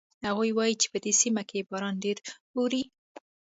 هغوی وایي چې په دې سیمه کې باران ډېر اوري